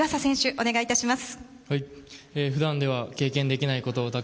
お願いいたします。